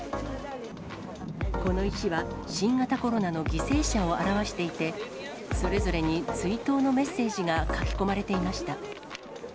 この石は、新型コロナの犠牲者を表していて、それぞれに追悼のメッセージが書き込まれていました。